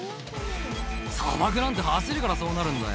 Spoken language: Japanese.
「砂漠なんて走るからそうなるんだよ」